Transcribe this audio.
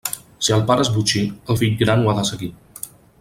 Si el pare és botxí, el fill gran ho ha de seguir.